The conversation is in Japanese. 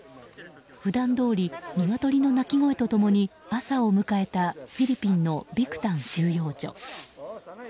普段どおりニワトリの鳴き声と共に朝を迎えたフィリピンのビクタン収容所。